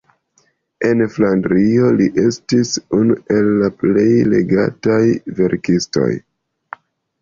En Flandrio li estis unu el la plej legataj verkistoj.